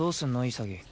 潔。